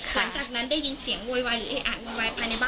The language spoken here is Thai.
หลังจากนั้นได้ยินเสียงโวยวายออกไปในบ้าน